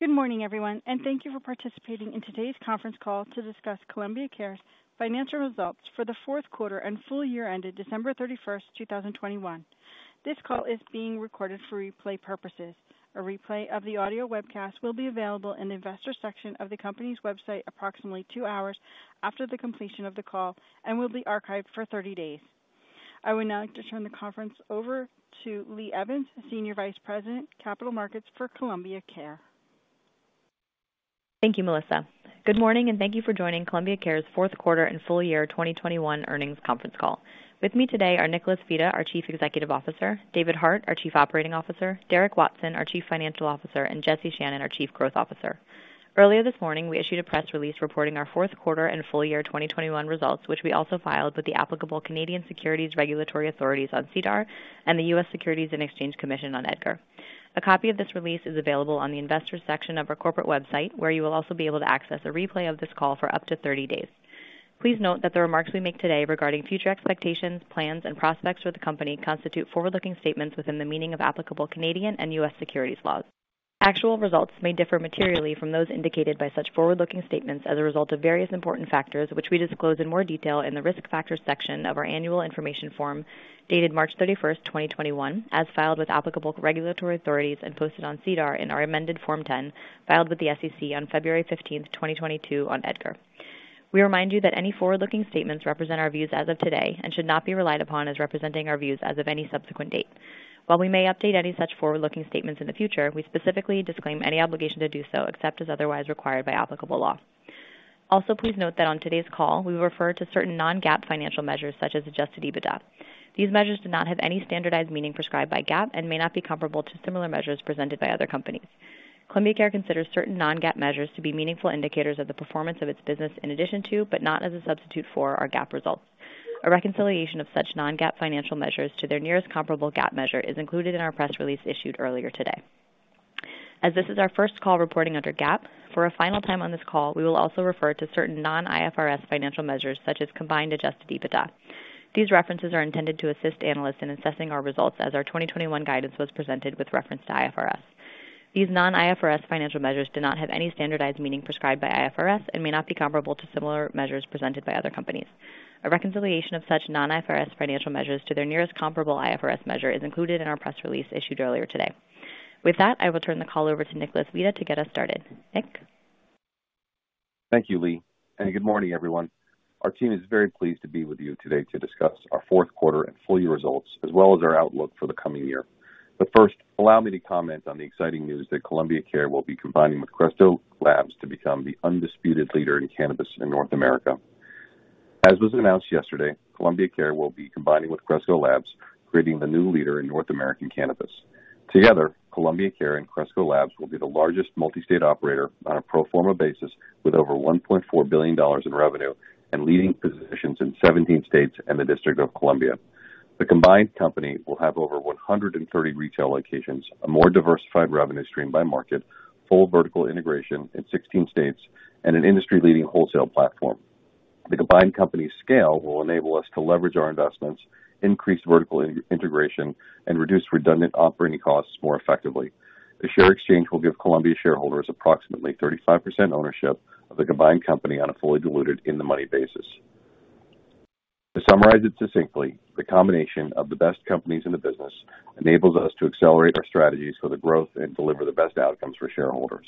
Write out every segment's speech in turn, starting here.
Good morning, everyone, and thank you for participating in today's conference call to discuss Columbia Care's Financial Results for the Fourth Quarter and Full Year ended December 31st, 2021. This call is being recorded for replay purposes. A replay of the audio webcast will be available in the Investors section of the company's website approximately two hours after the completion of the call and will be archived for 30 days. I would now like to turn the conference over to Lee Evans, Senior Vice President, Capital Markets for Columbia Care. Thank you, Melissa. Good morning, and thank you for joining Columbia Care's fourth quarter and full year 2021 earnings conference call. With me today are Nicholas Vita, our Chief Executive Officer, David Hart, our Chief Operating Officer, Derek Watson, our Chief Financial Officer, and Jesse Channon, our Chief Growth Officer. Earlier this morning, we issued a press release reporting our fourth quarter and full year 2021 results, which we also filed with the applicable Canadian Securities Regulatory Authorities on SEDAR and the U.S. Securities and Exchange Commission on EDGAR. A copy of this release is available on the Investors section of our corporate website, where you will also be able to access a replay of this call for up to 30 days. Please note that the remarks we make today regarding future expectations, plans, and prospects for the company constitute forward-looking statements within the meaning of applicable Canadian and U.S. securities laws. Actual results may differ materially from those indicated by such forward-looking statements as a result of various important factors, which we disclose in more detail in the Risk Factors section of our Annual Information Form dated March 31st, 2021, as filed with applicable regulatory authorities and posted on SEDAR in our amended Form 10 filed with the SEC on February 15, 2022 on EDGAR. We remind you that any forward-looking statements represent our views as of today and should not be relied upon as representing our views as of any subsequent date. While we may update any such forward-looking statements in the future, we specifically disclaim any obligation to do so, except as otherwise required by applicable law. Also, please note that on today's call, we refer to certain non-GAAP financial measures such as Adjusted EBITDA. These measures do not have any standardized meaning prescribed by GAAP and may not be comparable to similar measures presented by other companies. Columbia Care considers certain non-GAAP measures to be meaningful indicators of the performance of its business in addition to, but not as a substitute for, our GAAP results. A reconciliation of such non-GAAP financial measures to their nearest comparable GAAP measure is included in our press release issued earlier today. As this is our first call reporting under GAAP, for a final time on this call, we will also refer to certain non-IFRS financial measures, such as combined Adjusted EBITDA. These references are intended to assist analysts in assessing our results as our 2021 guidance was presented with reference to IFRS. These non-IFRS financial measures do not have any standardized meaning prescribed by IFRS and may not be comparable to similar measures presented by other companies. A reconciliation of such non-IFRS financial measures to their nearest comparable IFRS measure is included in our press release issued earlier today. With that, I will turn the call over to Nicholas Vita to get us started. Nick? Thank you, Lee, and good morning, everyone. Our team is very pleased to be with you today to discuss our fourth quarter and full year results, as well as our outlook for the coming year. First, allow me to comment on the exciting news that Columbia Care will be combining with Cresco Labs to become the undisputed leader in Cannabist in North America. As was announced yesterday, Columbia Care will be combining with Cresco Labs, creating the new leader in North American Cannabist. Together, Columbia Care and Cresco Labs will be the largest multi-state operator on a pro forma basis, with over $1.4 billion in revenue and leading positions in 17 states and the District of Columbia. The combined company will have over 130 retail locations, a more diversified revenue stream by market, full vertical integration in 16 states, and an industry-leading wholesale platform. The combined company's scale will enable us to leverage our investments, increase vertical integration, and reduce redundant operating costs more effectively. The share exchange will give Columbia shareholders approximately 35% ownership of the combined company on a fully diluted in-the-money basis. To summarize it succinctly, the combination of the best companies in the business enables us to accelerate our strategies for the growth and deliver the best outcomes for shareholders.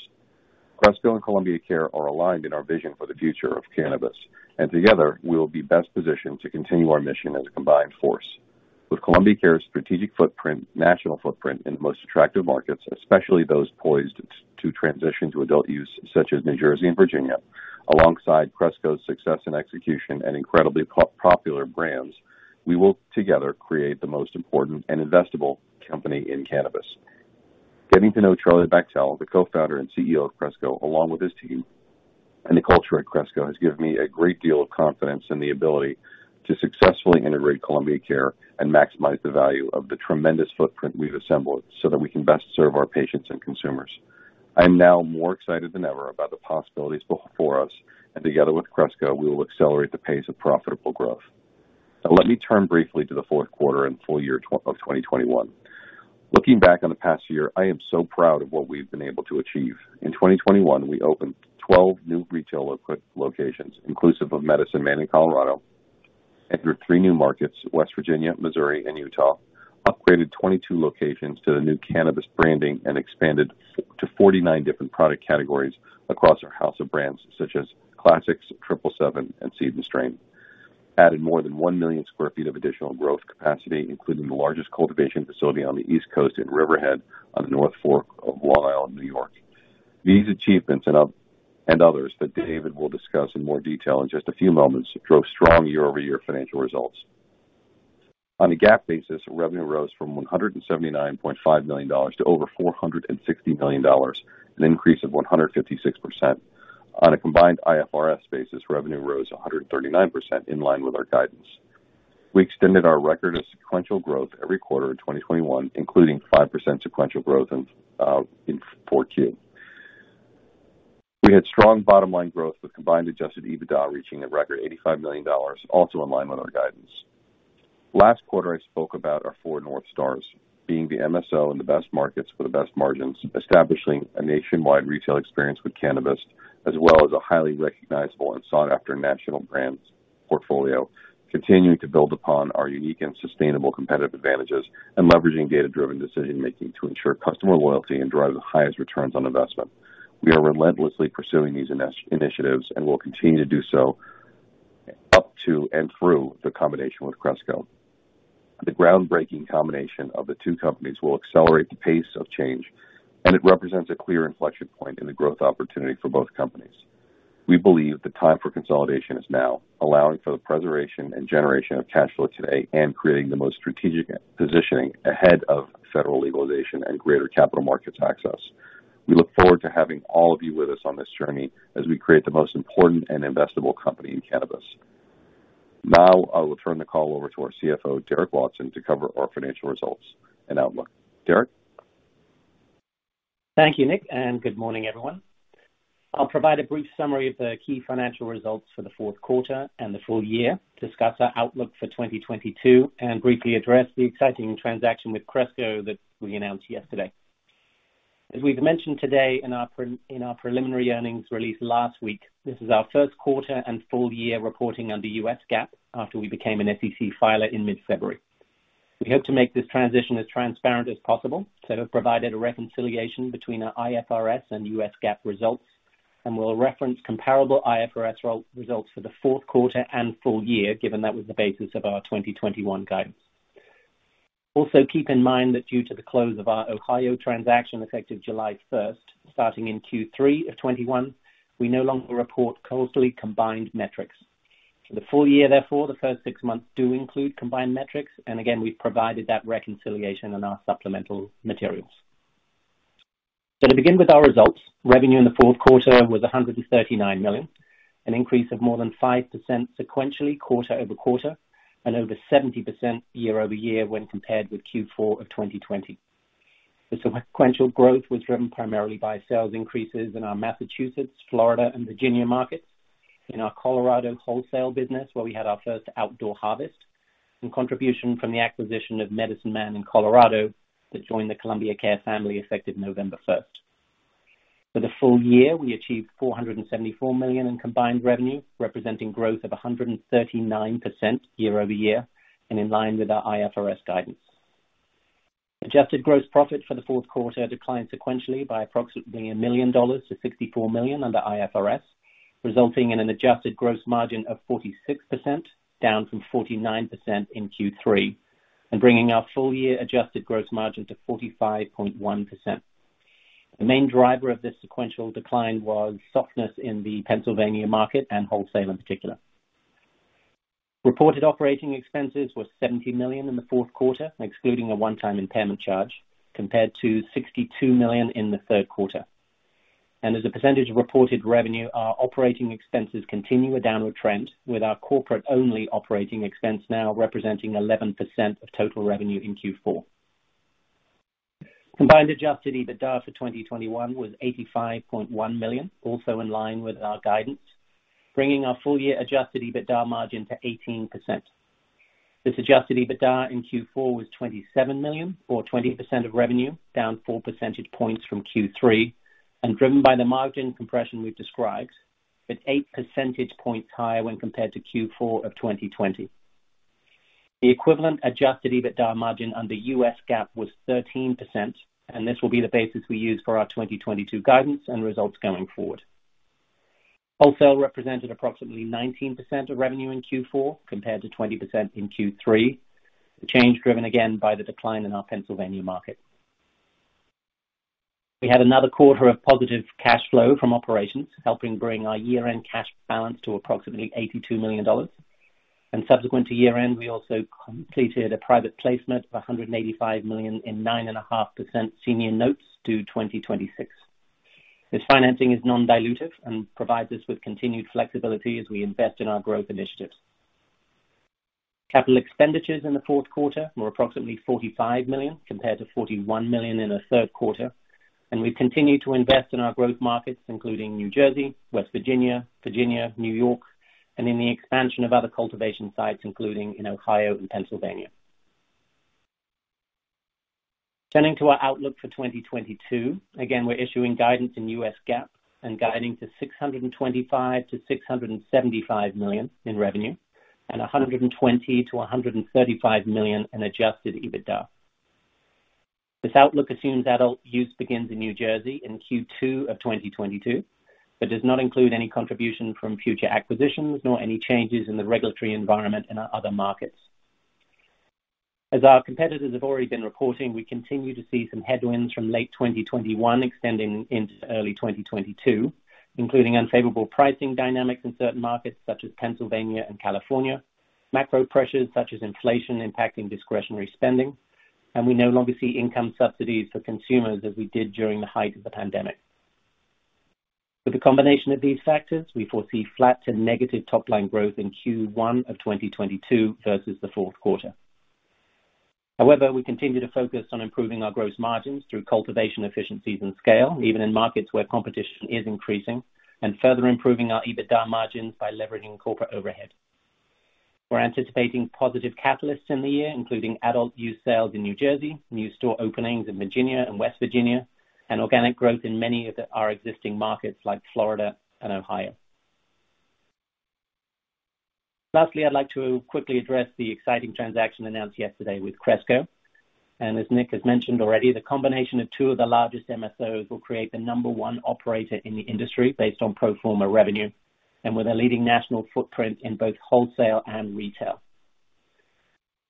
Cresco and Columbia Care are aligned in our vision for the future of Cannabist, and together we will be best positioned to continue our mission as a combined force. With Columbia Care's strategic footprint, national footprint in the most attractive markets, especially those poised to transition to adult use, such as New Jersey and Virginia, alongside Cresco's success and execution and incredibly popular brands, we will together create the most important and investable company in cannabis. Getting to know Charlie Bachtell, the Co-founder and CEO of Cresco, along with his team and the culture at Cresco, has given me a great deal of confidence in the ability to successfully integrate Columbia Care and maximize the value of the tremendous footprint we've assembled so that we can best serve our patients and consumers. I am now more excited than ever about the possibilities before us, and together with Cresco, we will accelerate the pace of profitable growth. Now let me turn briefly to the fourth quarter and full year 2021. Looking back on the past year, I am so proud of what we've been able to achieve. In 2021, we opened 12 new retail locations, inclusive of Medicine Man in Colorado, entered three new markets, West Virginia, Missouri, and Utah, upgraded 22 locations to the new Cannabist branding, and expanded to 49 different product categories across our house of brands, such as Classix, Triple Seven, and Seed & Strain, added more than 1 million sq ft of additional growth capacity, including the largest cultivation facility on the East Coast in Riverhead on the North Fork of Long Island, New York. These achievements and others that David will discuss in more detail in just a few moments drove strong year-over-year financial results. On a GAAP basis, revenue rose from $179.5 million to over $460 million, an increase of 156%. On a combined IFRS basis, revenue rose 139% in line with our guidance. We extended our record of sequential growth every quarter in 2021, including 5% sequential growth in 4Q. We had strong bottom line growth with combined Adjusted EBITDA reaching a record $85 million, also in line with our guidance. Last quarter, I spoke about our four North Stars being the MSO in the best markets for the best margins, establishing a nationwide retail experience with Cannabist, as well as a highly recognizable and sought after national brands portfolio, continuing to build upon our unique and sustainable competitive advantages and leveraging data-driven decision-making to ensure customer loyalty and drive the highest returns on investment. We are relentlessly pursuing these initiatives, and will continue to do so up to and through the combination with Cresco. The groundbreaking combination of the two companies will accelerate the pace of change, and it represents a clear inflection point in the growth opportunity for both companies. We believe the time for consolidation is now, allowing for the preservation and generation of cash flow today and creating the most strategic positioning ahead of federal legalization and greater capital markets access. We look forward to having all of you with us on this journey as we create the most important and investable company in Cannabist. Now I will turn the call over to our CFO, Derek Watson, to cover our financial results and outlook. Derek? Thank you, Nick, and good morning, everyone. I'll provide a brief summary of the key financial results for the fourth quarter and the full year, discuss our outlook for 2022, and briefly address the exciting transaction with Cresco that we announced yesterday. As we've mentioned today in our preliminary earnings release last week, this is our first quarter and full year reporting under U.S. GAAP after we became an SEC filer in mid-February. We hope to make this transition as transparent as possible. We've provided a reconciliation between our IFRS and U.S. GAAP results, and we'll reference comparable IFRS results for the fourth quarter and full year, given that was the basis of our 2021 guidance. Also, keep in mind that due to the close of our Ohio transaction effective July 1st, starting in Q3 of 2021, we no longer report closely combined metrics. For the full year therefore, the first six months do include combined metrics. Again, we've provided that reconciliation in our supplemental materials. To begin with our results, revenue in the fourth quarter was $139 million, an increase of more than 5% sequentially quarter-over-quarter, and over 70% year-over-year when compared with Q4 of 2020. The sequential growth was driven primarily by sales increases in our Massachusetts, Florida, and Virginia markets. In our Colorado wholesale business, where we had our first outdoor harvest, and contribution from the acquisition of Medicine Man in Colorado that joined the Columbia Care family effective November 1st. For the full year, we achieved $474 million in combined revenue, representing growth of 139% year-over-year and in line with our IFRS guidance. Adjusted gross profit for the fourth quarter declined sequentially by approximately $1 million to $64 million under IFRS, resulting in an adjusted gross margin of 46%, down from 49% in Q3, and bringing our full-year adjusted gross margin to 45.1%. The main driver of this sequential decline was softness in the Pennsylvania market and wholesale in particular. Reported operating expenses were $70 million in the fourth quarter, excluding a one-time impairment charge, compared to $62 million in the third quarter. As a percentage of reported revenue, our operating expenses continue a downward trend with our corporate-only operating expense now representing 11% of total revenue in Q4. Combined Adjusted EBITDA for 2021 was $85.1 million, also in line with our guidance, bringing our full-year Adjusted EBITDA margin to 18%. This Adjusted EBITDA in Q4 was $27 million or 20% of revenue, down 4 percentage points from Q3 and driven by the margin compression we've described, but 8 percentage points higher when compared to Q4 of 2020. The equivalent Adjusted EBITDA margin under U.S. GAAP was 13%, and this will be the basis we use for our 2022 guidance and results going forward. Wholesale represented approximately 19% of revenue in Q4 compared to 20% in Q3, the change driven again by the decline in our Pennsylvania market. We had another quarter of positive cash flow from operations, helping bring our year-end cash balance to approximately $82 million. Subsequent to year-end, we also completed a private placement of $185 million in 9.5% senior notes due 2026. This financing is non-dilutive and provides us with continued flexibility as we invest in our growth initiatives. Capital expenditures in the fourth quarter were approximately $45 million, compared to $41 million in the third quarter. We continue to invest in our growth markets, including New Jersey, West Virginia, New York, and in the expansion of other cultivation sites, including in Ohio and Pennsylvania. Turning to our outlook for 2022. Again, we're issuing guidance in U.S. GAAP and guiding to $625 million-$675 million in revenue and $120 million-$135 million in Adjusted EBITDA. This outlook assumes adult use begins in New Jersey in Q2 of 2022, but does not include any contribution from future acquisitions, nor any changes in the regulatory environment in our other markets. As our competitors have already been reporting, we continue to see some headwinds from late 2021 extending into early 2022, including unfavorable pricing dynamics in certain markets such as Pennsylvania and California. Macro pressures such as inflation impacting discretionary spending, and we no longer see income subsidies for consumers as we did during the height of the pandemic. With the combination of these factors, we foresee flat to negative top line growth in Q1 of 2022 versus the fourth quarter. However, we continue to focus on improving our gross margins through cultivation efficiencies and scale, even in markets where competition is increasing, and further improving our EBITDA margins by leveraging corporate overhead. We're anticipating positive catalysts in the year, including adult use sales in New Jersey, new store openings in Virginia and West Virginia, and organic growth in many of our existing markets like Florida and Ohio. Lastly, I'd like to quickly address the exciting transaction announced yesterday with Cresco. As Nick has mentioned already, the combination of two of the largest MSOs will create the number one operator in the industry based on pro forma revenue, and with a leading national footprint in both wholesale and retail.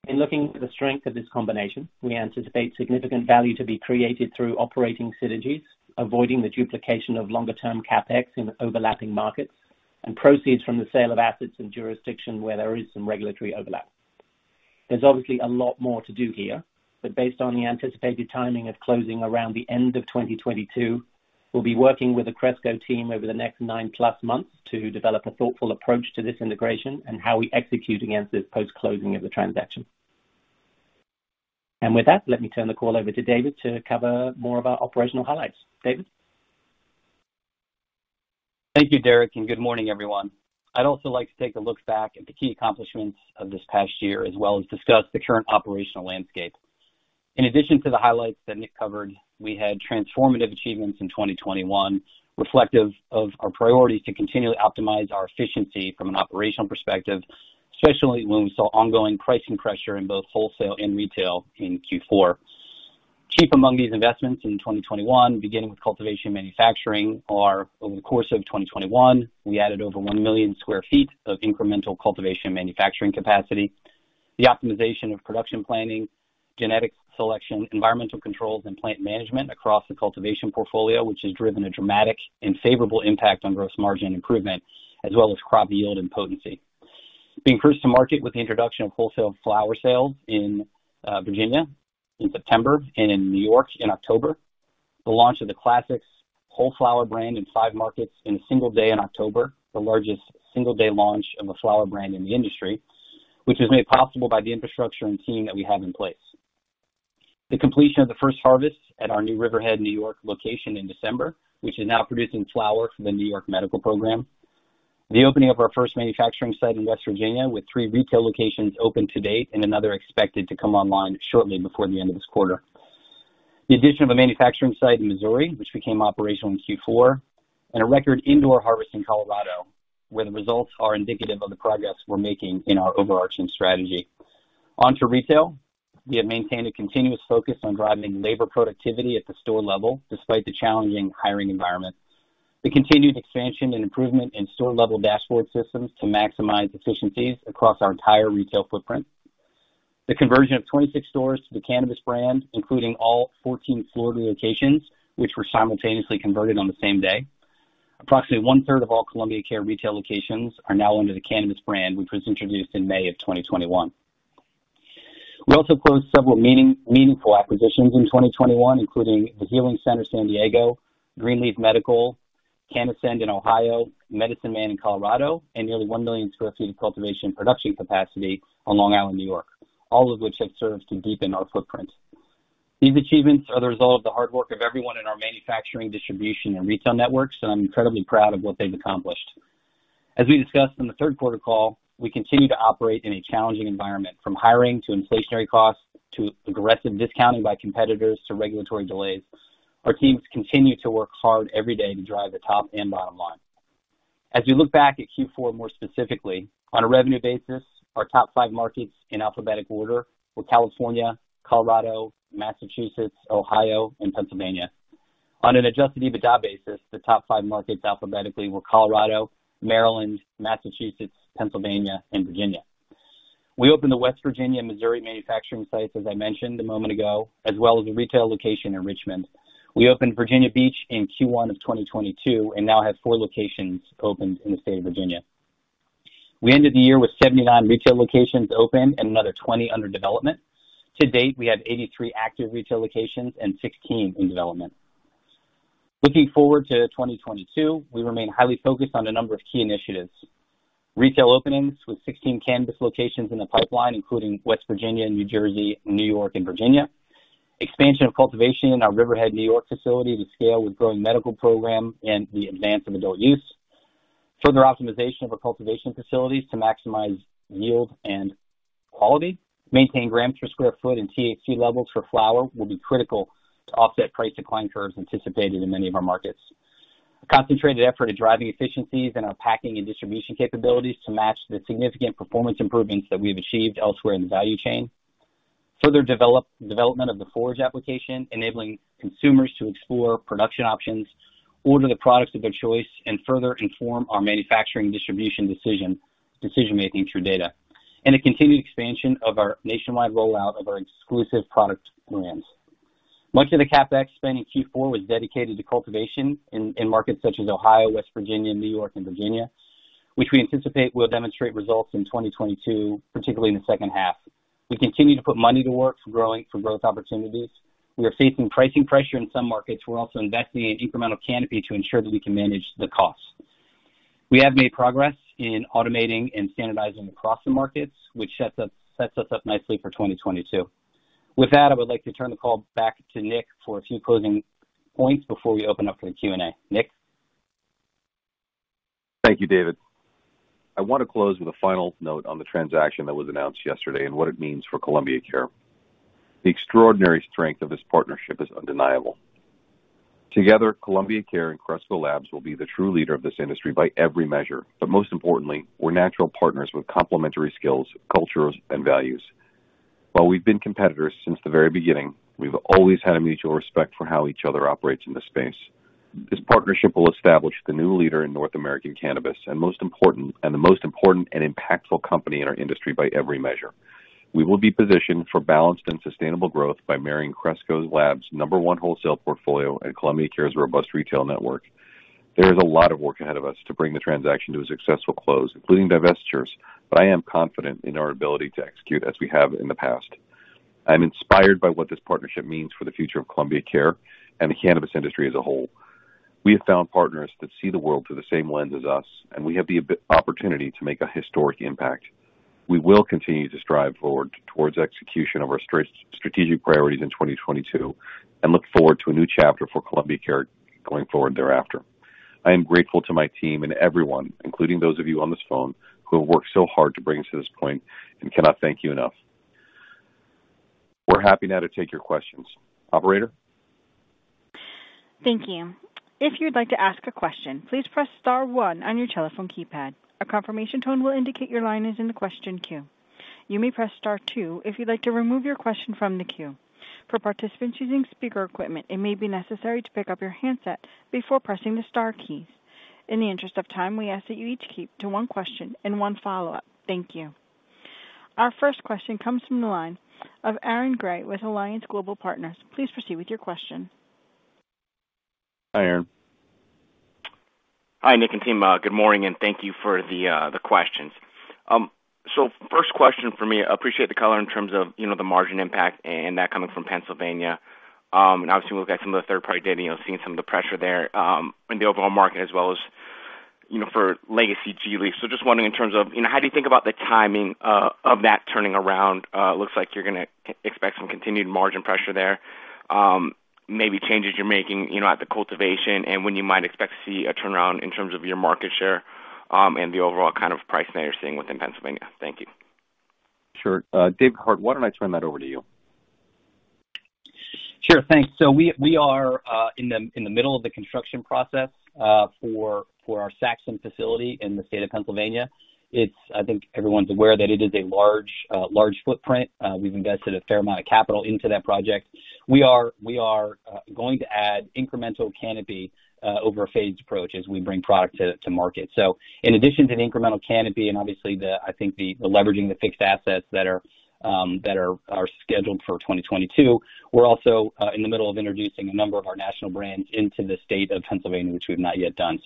In looking at the strength of this combination, we anticipate significant value to be created through operating synergies, avoiding the duplication of longer-term CapEx in overlapping markets, and proceeds from the sale of assets in jurisdiction where there is some regulatory overlap. There's obviously a lot more to do here, but based on the anticipated timing of closing around the end of 2022, we'll be working with the Cresco team over the next nine-plus months to develop a thoughtful approach to this integration and how we execute against this post-closing of the transaction. With that, let me turn the call over to David to cover more of our operational highlights. David? Thank you, Derek, and good morning, everyone. I'd also like to take a look back at the key accomplishments of this past year, as well as discuss the current operational landscape. In addition to the highlights that Nick covered, we had transformative achievements in 2021, reflective of our priorities to continually optimize our efficiency from an operational perspective, especially when we saw ongoing pricing pressure in both wholesale and retail in Q4. Chief among these investments in 2021, beginning with cultivation and manufacturing, over the course of 2021, we added over 1 million sq ft of incremental cultivation and manufacturing capacity. The optimization of production planning, genetic selection, environmental controls, and plant management across the cultivation portfolio, which has driven a dramatic and favorable impact on gross margin improvement, as well as crop yield and potency. Being first to market with the introduction of wholesale flower sales in Virginia in September and in New York in October. The launch of the Classix whole flower brand in five markets in a single day in October, the largest single-day launch of a flower brand in the industry, which was made possible by the infrastructure and team that we have in place. The completion of the first harvest at our new Riverhead, New York location in December, which is now producing flower for the New York medical program. The opening of our first manufacturing site in West Virginia, with three retail locations open to date and another expected to come online shortly before the end of this quarter. The addition of a manufacturing site in Missouri, which became operational in Q4. A record indoor harvest in Colorado, where the results are indicative of the progress we're making in our overarching strategy. Onto retail. We have maintained a continuous focus on driving labor productivity at the store level, despite the challenging hiring environment. The continued expansion and improvement in store-level dashboard systems to maximize efficiencies across our entire retail footprint. The conversion of 26 stores to the Cannabist brand, including all 14 Florida locations, which were simultaneously converted on the same day. Approximately one-third of all Columbia Care retail locations are now under the Cannabist brand, which was introduced in May of 2021. We also closed several meaningful acquisitions in 2021, including The Healing Center San Diego, Green Leaf Medical, CannAscend in Ohio, Medicine Man in Colorado, and nearly 1 million sq ft of cultivation production capacity on Long Island, New York, all of which have served to deepen our footprint. These achievements are the result of the hard work of everyone in our manufacturing, distribution, and retail networks, and I'm incredibly proud of what they've accomplished. As we discussed in the third quarter call, we continue to operate in a challenging environment, from hiring, to inflationary costs, to aggressive discounting by competitors, to regulatory delays. Our teams continue to work hard every day to drive the top and bottom line. As we look back at Q4 more specifically, on a revenue basis, our top five markets in alphabetical order were California, Colorado, Massachusetts, Ohio, and Pennsylvania. On an Adjusted EBITDA basis, the top five markets alphabetically were Colorado, Maryland, Massachusetts, Pennsylvania, and Virginia. We opened the West Virginia and Missouri manufacturing sites, as I mentioned a moment ago, as well as a retail location in Richmond. We opened Virginia Beach in Q1 of 2022, and now have four locations opened in the state of Virginia. We ended the year with 79 retail locations open and another 20 under development. To date, we have 83 active retail locations and 16 in development. Looking forward to 2022, we remain highly focused on a number of key initiatives, retail openings with 16 cannabis locations in the pipeline, including West Virginia, New Jersey, New York, and Virginia, expansion of cultivation in our Riverhead, New York facility to scale with growing medical program and the advance of adult use. Further optimization of our cultivation facilities to maximize yield and quality. Maintaining grams per square foot and THC levels for flower will be critical to offset price decline curves anticipated in many of our markets. A concentrated effort of driving efficiencies in our packing and distribution capabilities to match the significant performance improvements that we've achieved elsewhere in the value chain. Further development of the Forage application, enabling consumers to explore production options, order the products of their choice, and further inform our manufacturing and distribution decision-making through data. A continued expansion of our nationwide rollout of our exclusive product brands. Much of the CapEx spend in Q4 was dedicated to cultivation in markets such as Ohio, West Virginia, New York and Virginia, which we anticipate will demonstrate results in 2022, particularly in the second half. We continue to put money to work for growth opportunities. We are facing pricing pressure in some markets. We're also investing in incremental canopy to ensure that we can manage the costs. We have made progress in automating and standardizing across the markets, which sets us up nicely for 2022. With that, I would like to turn the call back to Nick for a few closing points before we open up for the Q&A. Nick? Thank you, David. I want to close with a final note on the transaction that was announced yesterday and what it means for Columbia Care. The extraordinary strength of this partnership is undeniable. Together, Columbia Care and Cresco Labs will be the true leader of this industry by every measure, but most importantly, we're natural partners with complementary skills, cultures, and values. While we've been competitors since the very beginning, we've always had a mutual respect for how each other operates in this space. This partnership will establish the new leader in North American cannabis and the most important and impactful company in our industry by every measure. We will be positioned for balanced and sustainable growth by marrying Cresco Labs' number one wholesale portfolio and Columbia Care's robust retail network. There is a lot of work ahead of us to bring the transaction to a successful close, including divestitures, but I am confident in our ability to execute as we have in the past. I'm inspired by what this partnership means for the future of Columbia Care and the cannabis industry as a whole. We have found partners that see the world through the same lens as us, and we have the opportunity to make a historic impact. We will continue to strive forward towards execution of our strategic priorities in 2022 and look forward to a new chapter for Columbia Care going forward thereafter. I am grateful to my team and everyone, including those of you on this phone, who have worked so hard to bring us to this point and cannot thank you enough. We're happy now to take your questions. Operator? Thank you. If you'd like to ask a question, please press star one on your telephone keypad. A confirmation tone will indicate your line is in the question queue. You may press star two if you'd like to remove your question from the queue. For participants using speaker equipment, it may be necessary to pick up your handset before pressing the star keys. In the interest of time, we ask that you each keep to one question and one follow-up. Thank you. Our first question comes from the line of Aaron Grey with Alliance Global Partners. Please proceed with your question. Hi, Aaron. Hi, Nick and team. Good morning, and thank you for the questions. First question from me. Appreciate the color in terms of, you know, the margin impact and that coming from Pennsylvania. Obviously we've got some of the third-party data, you know, seeing some of the pressure there, in the overall market as well as, you know, for legacy gLeaf. Just wondering in terms of, you know, how do you think about the timing of that turning around? Looks like you're gonna expect some continued margin pressure there. Maybe changes you're making, you know, at the cultivation and when you might expect to see a turnaround in terms of your market share, and the overall kind of pricing that you're seeing within Pennsylvania. Thank you. Sure. David Hart, why don't I turn that over to you? Sure. Thanks. We are in the middle of the construction process for our Saxton facility in the state of Pennsylvania. I think everyone's aware that it is a large footprint. We've invested a fair amount of capital into that project. We are going to add incremental canopy over a phased approach as we bring product to market. In addition to the incremental canopy, and obviously I think the leveraging the fixed assets that are scheduled for 2022, we're also in the middle of introducing a number of our national brands into the state of Pennsylvania, which we've not yet done.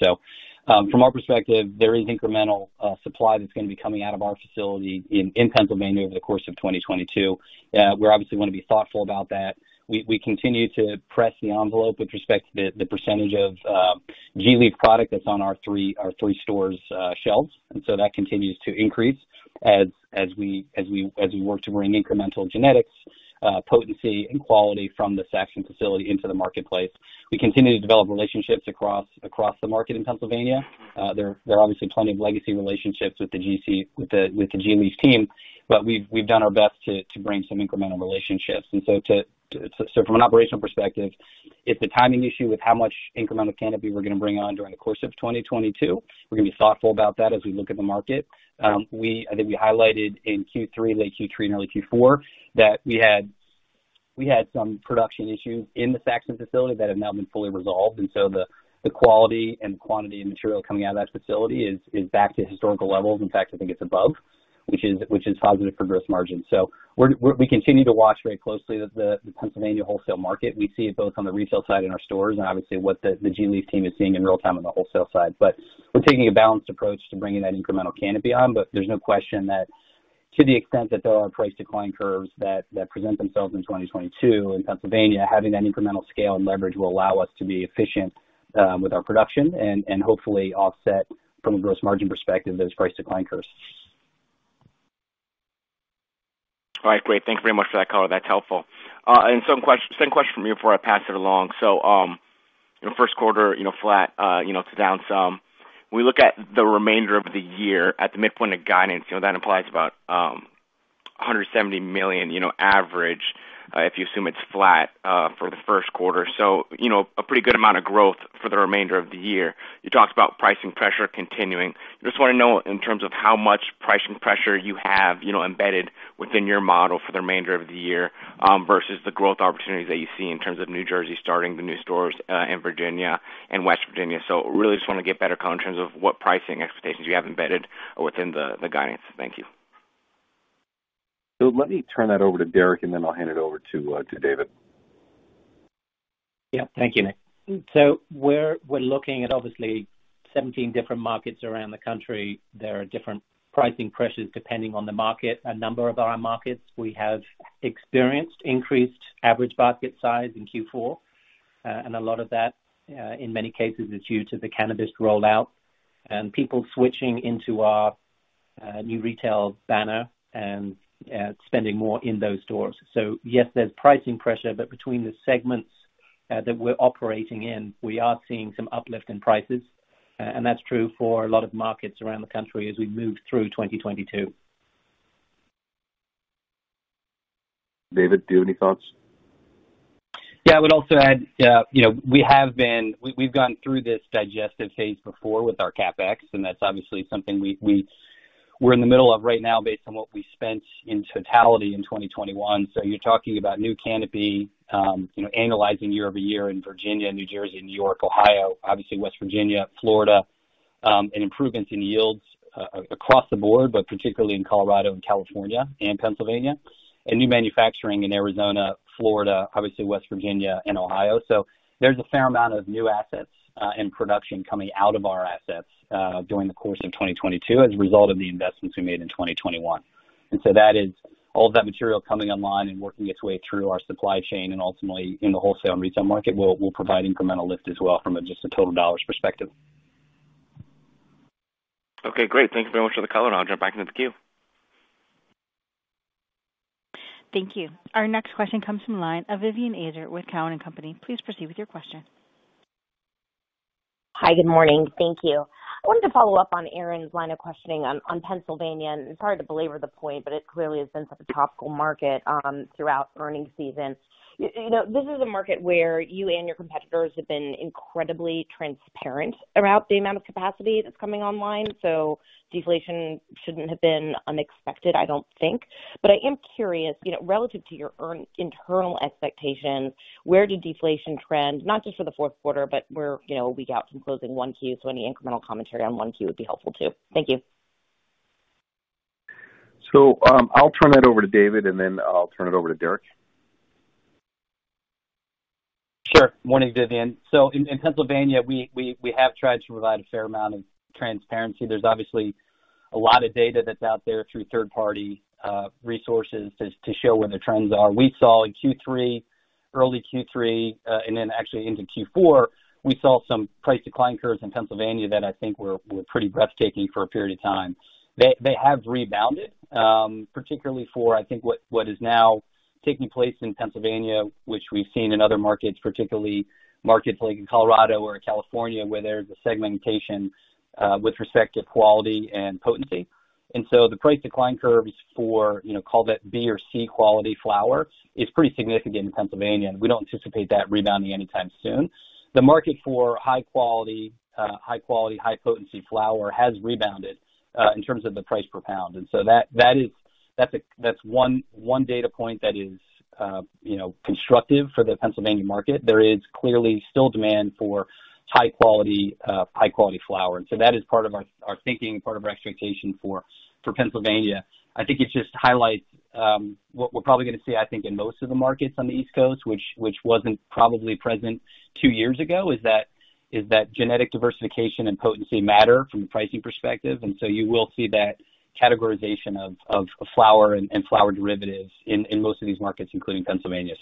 From our perspective, there is incremental supply that's gonna be coming out of our facility in Pennsylvania over the course of 2022. We obviously wanna be thoughtful about that. We continue to press the envelope with respect to the percentage of gLeaf product that's on our three stores' shelves. That continues to increase as we work to bring incremental genetics, potency and quality from the Saxton facility into the marketplace. We continue to develop relationships across the market in Pennsylvania. There are obviously plenty of legacy relationships with the gLeaf team, but we've done our best to bring some incremental relationships. From an operational perspective, it's a timing issue with how much incremental canopy we're gonna bring on during the course of 2022. We're gonna be thoughtful about that as we look at the market. I think we highlighted in Q3, late Q3, and early Q4, that we had some production issues in the Saxton facility that have now been fully resolved. The quality and quantity and material coming out of that facility is back to historical levels. In fact, I think it's above, which is positive for gross margin. We continue to watch very closely the Pennsylvania wholesale market. We see it both on the retail side in our stores and obviously what the gLeaf team is seeing in real time on the wholesale side. We're taking a balanced approach to bringing that incremental canopy on, but there's no question that to the extent that there are price decline curves that present themselves in 2022 in Pennsylvania, having that incremental scale and leverage will allow us to be efficient with our production and hopefully offset from a gross margin perspective those price decline curves. All right, great. Thank you very much for that color. That's helpful. Some questions from me before I pass it along. First quarter, you know, flat, to down some. We look at the remainder of the year at the midpoint of guidance, you know, that implies about $170 million, you know, average, if you assume it's flat for the first quarter. You know, a pretty good amount of growth for the remainder of the year. You talked about pricing pressure continuing. I just wanna know in terms of how much pricing pressure you have, you know, embedded within your model for the remainder of the year, versus the growth opportunities that you see in terms of New Jersey starting the new stores, in Virginia and West Virginia. really just wanna get better color in terms of what pricing expectations you have embedded within the guidance. Thank you. Let me turn that over to Derek, and then I'll hand it over to David. Yeah. Thank you, Nick. We're looking at obviously 17 different markets around the country. There are different pricing pressures depending on the market. A number of our markets, we have experienced increased average basket size in Q4. A lot of that, in many cases is due to the Cannabist rollout and people switching into our new retail banner and spending more in those stores. Yes, there's pricing pressure, but between the segments that we're operating in, we are seeing some uplift in prices. That's true for a lot of markets around the country as we move through 2022. David, do you have any thoughts? Yeah. I would also add, you know, we've gone through this digestive phase before with our CapEx, and that's obviously something we're in the middle of right now based on what we spent in totality in 2021. You're talking about new canopy, you know, analyzing year-over-year in Virginia, New Jersey, New York, Ohio, obviously West Virginia, Florida, and improvements in yields across the board, but particularly in Colorado and California and Pennsylvania, and new manufacturing in Arizona, Florida, obviously West Virginia and Ohio. There's a fair amount of new assets, and production coming out of our assets, during the course of 2022 as a result of the investments we made in 2021. That is all of that material coming online and working its way through our supply chain and ultimately in the wholesale and retail market, will provide incremental lift as well from a just a total dollars perspective. Okay, great. Thank you very much for the color, and I'll jump back into the queue. Thank you. Our next question comes from the line of Vivien Azer with Cowen and Company. Please proceed with your question. Hi, good morning. Thank you. I wanted to follow up on Aaron's line of questioning on Pennsylvania. Sorry to belabor the point, but it clearly has been such a topical market throughout earnings season. You know, this is a market where you and your competitors have been incredibly transparent about the amount of capacity that's coming online, so deflation shouldn't have been unexpected, I don't think. I am curious, you know, relative to your internal expectations, where did deflation trend not just for the fourth quarter, but we're a week out from closing 1Q, so any incremental commentary on 1Q would be helpful, too. Thank you. I'll turn that over to David, and then I'll turn it over to Derek. Sure. Morning, Vivien. In Pennsylvania, we have tried to provide a fair amount of transparency. There's obviously a lot of data that's out there through third party resources to show where the trends are. We saw in Q3, early Q3, and then actually into Q4, we saw some price decline curves in Pennsylvania that I think were pretty breathtaking for a period of time. They have rebounded, particularly for I think what is now taking place in Pennsylvania, which we've seen in other markets, particularly markets like in Colorado or in California, where there's a segmentation with respect to quality and potency. The price decline curves for, you know, call that B or C quality flower is pretty significant in Pennsylvania, and we don't anticipate that rebounding anytime soon. The market for high quality, high potency flower has rebounded in terms of the price per pound. That is one data point that is, you know, constructive for the Pennsylvania market. There is clearly still demand for high quality flower. That is part of our thinking and part of our expectation for Pennsylvania. I think it just highlights what we're probably gonna see, I think, in most of the markets on the East Coast, which wasn't probably present two years ago, is that genetic diversification and potency matter from a pricing perspective. You will see that categorization of flower and flower derivatives in most of these markets, including Pennsylvania.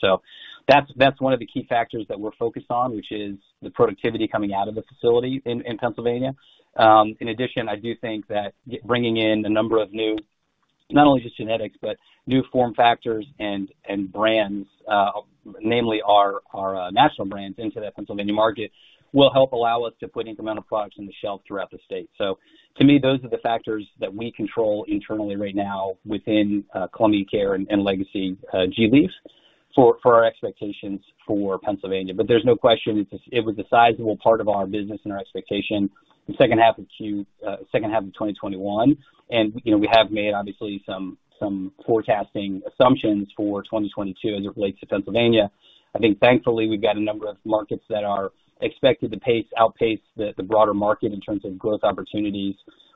That's one of the key factors that we're focused on, which is the productivity coming out of the facility in Pennsylvania. In addition, I do think that bringing in a number of new, not only just genetics, but new form factors and brands, namely our national brands into that Pennsylvania market, will help allow us to put incremental products on the shelf throughout the state. To me, those are the factors that we control internally right now within Columbia Care and Legacy gLeaf for our expectations for Pennsylvania. But there's no question it was a sizable part of our business and our expectation the second half of 2021. You know, we have made obviously some forecasting assumptions for 2022 as it relates to Pennsylvania. I think thankfully we've got a number of markets that are expected to outpace the broader market in terms of growth opportunities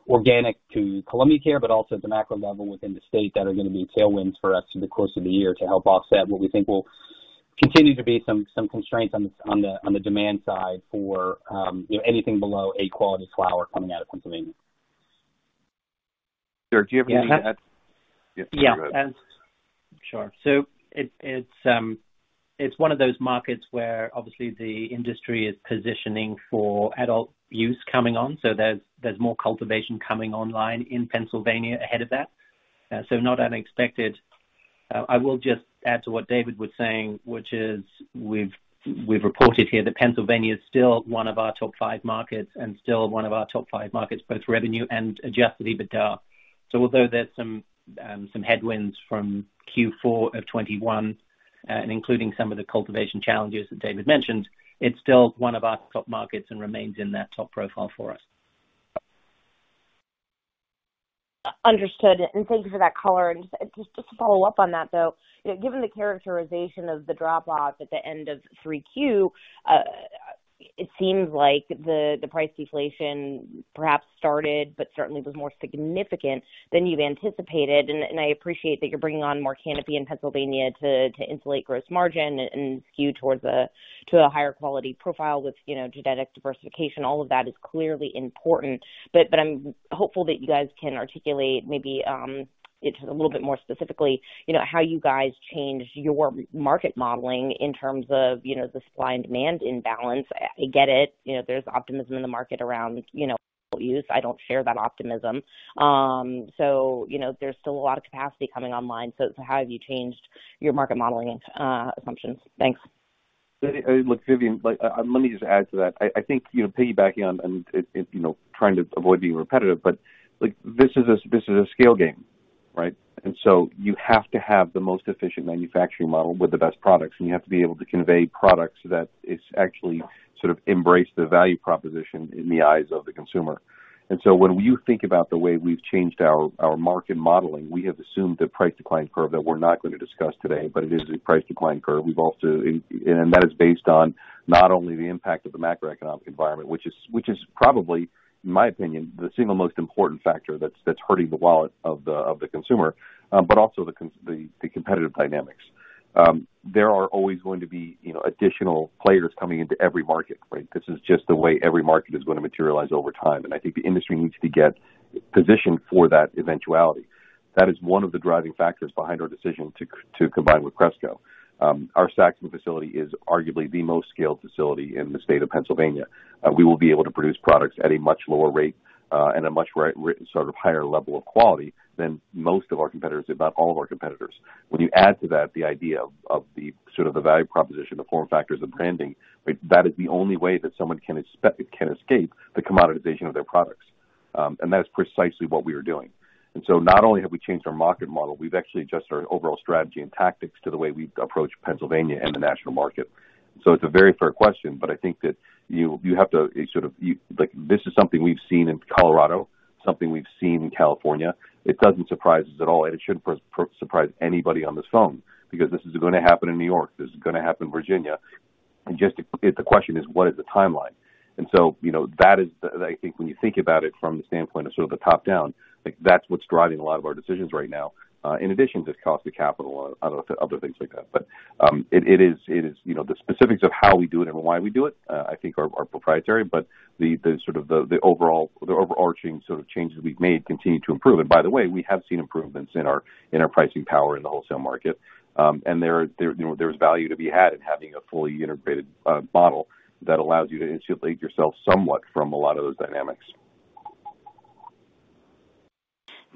organic to Columbia Care, but also at the macro level within the state that are gonna be tailwinds for us through the course of the year to help offset what we think will continue to be some constraints on the demand side for, you know, anything below A quality flower coming out of Pennsylvania. Derek, do you have anything to add? Yeah. Yes, go ahead. Sure. It's one of those markets where obviously the industry is positioning for adult use coming on, so there's more cultivation coming online in Pennsylvania ahead of that. Not unexpected. I will just add to what David was saying, which is we've reported here that Pennsylvania is still one of our top five markets, both revenue and Adjusted EBITDA. Although there's some headwinds from Q4 of 2021, and including some of the cultivation challenges that David mentioned, it's still one of our top markets and remains in that top profile for us. Understood. Thank you for that color. Just to follow up on that, though, you know, given the characterization of the drop-off at the end of 3Q, it seems like the price deflation perhaps started, but certainly was more significant than you'd anticipated. I appreciate that you're bringing on more canopy in Pennsylvania to insulate gross margin and skew towards a higher quality profile with, you know, genetic diversification. All of that is clearly important. I'm hopeful that you guys can articulate maybe, you know, a little bit more specifically, you know, how you guys changed your market modeling in terms of, you know, the supply and demand imbalance. I get it, you know, there's optimism in the market around, you know, use. I don't share that optimism. you know, there's still a lot of capacity coming online. So how have you changed your market modeling assumptions? Thanks. Look, Vivien, like, let me just add to that. I think, you know, piggybacking on, you know, trying to avoid being repetitive, but, like, this is a scale game, right? You have to have the most efficient manufacturing model with the best products, and you have to be able to convey products that is actually sort of embrace the value proposition in the eyes of the consumer. When you think about the way we've changed our market modeling, we have assumed a price decline curve that we're not going to discuss today, but it is a price decline curve. That is based on not only the impact of the macroeconomic environment, which is probably, in my opinion, the single most important factor that's hurting the wallet of the consumer, but also the competitive dynamics. There are always going to be, you know, additional players coming into every market, right? This is just the way every market is gonna materialize over time, and I think the industry needs to get positioned for that eventuality. That is one of the driving factors behind our decision to combine with Cresco. Our Saxon facility is arguably the most scaled facility in the state of Pennsylvania. We will be able to produce products at a much lower rate and a much higher level of quality than most of our competitors, if not all of our competitors. When you add to that the idea of the sort of value proposition, the form factors of branding, right? That is the only way that someone can escape the commoditization of their products. That's precisely what we are doing. Not only have we changed our market model, we've actually adjusted our overall strategy and tactics to the way we approach Pennsylvania and the national market. It's a very fair question, but I think that you have to sort of. Like, this is something we've seen in Colorado, something we've seen in California. It doesn't surprise us at all, and it shouldn't surprise anybody on this phone because this is gonna happen in New York, this is gonna happen in Virginia. The question is, what is the timeline? You know, that is, I think when you think about it from the standpoint of sort of the top-down, like, that's what's driving a lot of our decisions right now, in addition to cost of capital, other things like that. It is, you know, the specifics of how we do it and why we do it, I think are proprietary, but the overall, the overarching sort of changes we've made continue to improve. By the way, we have seen improvements in our pricing power in the wholesale market. There, you know, there's value to be had in having a fully integrated model that allows you to insulate yourself somewhat from a lot of those dynamics.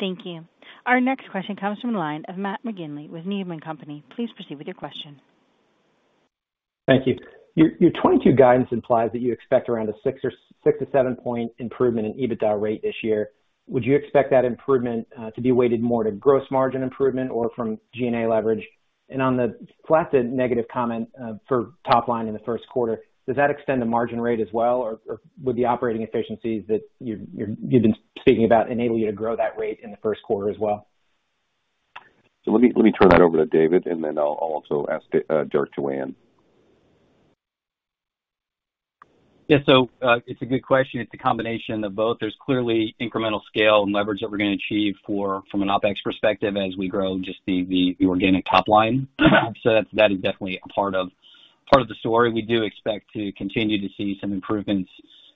Thank you. Our next question comes from the line of Matt McGinley with Needham & Company. Please proceed with your question. Thank you. Your 2022 guidance implies that you expect around a six to seven point improvement in EBITDA rate this year. Would you expect that improvement to be weighted more to gross margin improvement or from G&A leverage? On the flat to negative comment for top line in the first quarter, does that extend the margin rate as well, or would the operating efficiencies that you've been speaking about enable you to grow that rate in the first quarter as well? Let me turn that over to David, and then I'll also ask Derek to weigh in. Yeah. It's a good question. It's a combination of both. There's clearly incremental scale and leverage that we're gonna achieve from an OpEx perspective as we grow just the organic top line. That's definitely a part of the story. We do expect to continue to see some improvements.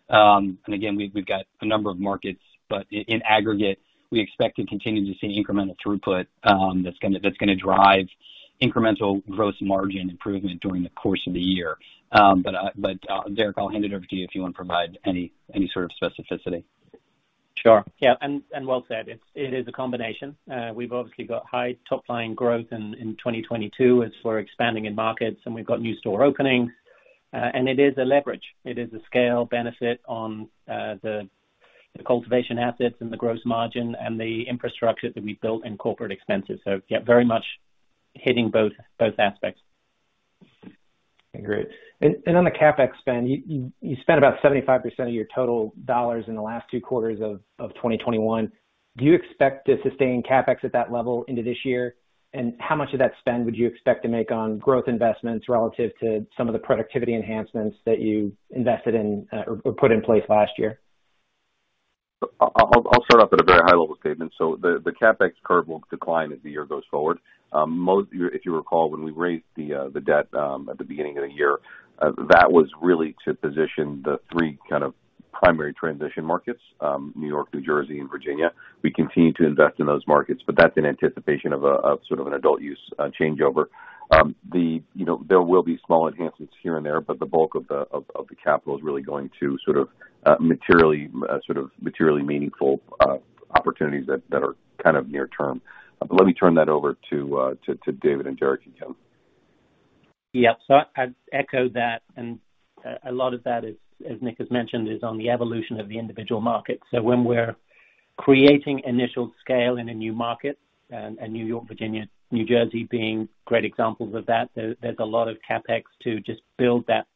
Again, we've got a number of markets, but in aggregate, we expect to continue to see incremental throughput that's gonna drive incremental gross margin improvement during the course of the year. But Derek, I'll hand it over to you if you want to provide any sort of specificity. Sure. Yeah. Well said, it is a combination. We've obviously got high top line growth in 2022 as we're expanding in markets and we've got new store openings. It is a leverage. It is a scale benefit on the cultivation assets and the gross margin and the infrastructure that we've built in corporate expenses. Yeah, very much hitting both aspects. Agreed. On the CapEx spend, you spent about 75% of your total dollars in the last two quarters of 2021. Do you expect to sustain CapEx at that level into this year? How much of that spend would you expect to make on growth investments relative to some of the productivity enhancements that you invested in or put in place last year? I'll start off with a very high level statement. The CapEx curve will decline as the year goes forward. If you recall, when we raised the debt at the beginning of the year, that was really to position the three kind of primary transition markets, New York, New Jersey, and Virginia. We continue to invest in those markets, but that's in anticipation of sort of an adult use changeover. You know, there will be small enhancements here and there, but the bulk of the capital is really going to sort of materially meaningful opportunities that are kind of near term. Let me turn that over to David and Derek again. Yeah. I'd echo that, and a lot of that is, as Nick has mentioned, on the evolution of the individual markets. When we're creating initial scale in a new market, and New York, Virginia, New Jersey being great examples of that, there's a lot of CapEx to just build that